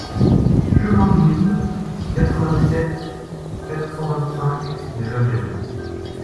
Chemin Noun, quatre-vingt-dix-sept, quatre cent vingt-cinq Les Avirons